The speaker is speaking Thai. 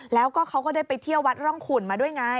แล้วก็เขาก็ได้ไปเที่ยววัดร่องขุนมาด้วยไง